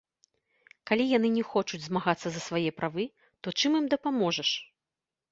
Калі яны не хочуць змагацца за свае правы, то чым ім дапаможаш?